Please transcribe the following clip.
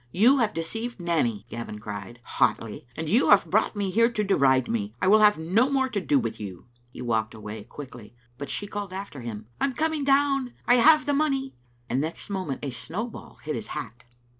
'" "You have deceived Nanny," Gavin cried, hotly, " and you have brought me here to deride me. I will have no more to do with you. " He walked away quickly, but she called after him, "I am coming down. I have the money," and next moment a snowball hit his hat.